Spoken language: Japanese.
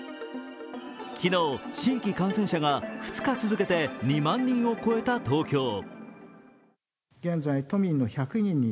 昨日新規感染者が２日続けて２万人を超えた東京。